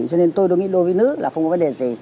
cho nên tôi nghĩ đối với nữ là không có vấn đề gì